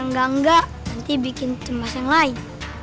enggak enggak nanti bikin cemas yang lain